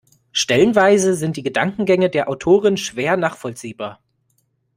Stellenweise sind die Gedankengänge der Autorin schwer nachvollziehbar.